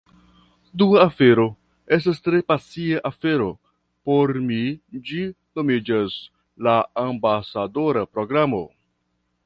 Dua afero, estas tre pasia afero por mi ĝi nomiĝas "La ambasadora programo"